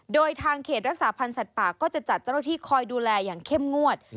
โดยทางเขตรักษาพันธ์สัตว์ป่าก็จะจัดเจ้าหน้าที่คอยดูแลอย่างเข้มงวด